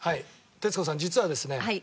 徹子さん実はですね